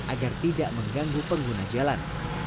agar tidak mengganggu pengguna jalan